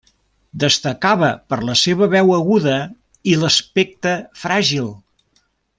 Destacava per la seva veu aguda i d'aspecte fràgil.